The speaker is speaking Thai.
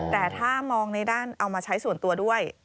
แต่ถ้ามองในด้านเอามาใช้ส่วนตัวด้วย